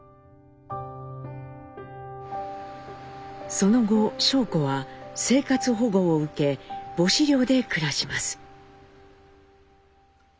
その後尚子は生活保護を受け母子寮で暮らします。